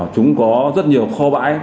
chúng có rất nhiều kho bãi